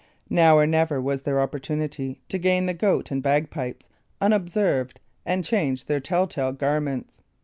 Now or never was their opportunity to gain the Goat and Bagpipes unobserved and change their tell tale garments.